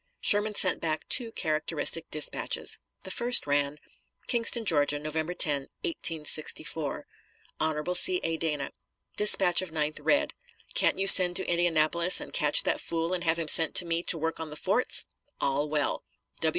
'" Sherman sent back two characteristic dispatches. The first ran: KINGSTON, GA., November 10, 1864. Hon. C. A. DANA: Dispatch of 9th read. Can't you send to Indianapolis and catch that fool and have him sent to me to work on the forts? All well.